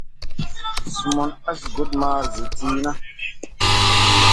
Sumun asa gudmaha zi tiyna.